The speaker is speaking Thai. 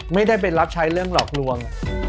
ไม่ได้ไปรับใช้เรื่องหลอกลวง